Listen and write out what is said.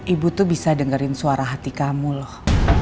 ibu tuh bisa dengerin suara hati kamu loh